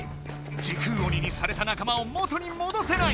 時空鬼にされた仲間を元にもどせない。